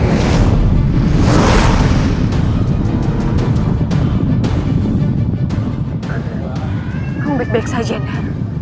aku baik baik saja nya